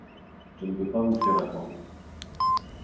Je ne veux pas vous faire attendre.